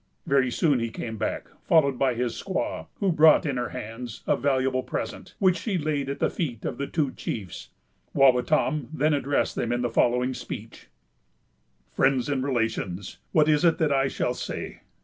Very soon he came back, followed by his squaw, who brought in her hands a valuable present, which she laid at the feet of the two chiefs. Wawatam then addressed them in the following speech:—— "Friends and relations, what is it that I shall say?